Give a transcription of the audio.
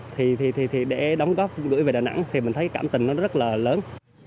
thì để đóng góp gửi về đà nẵng thì mình thấy cảm tình nó rất là lớn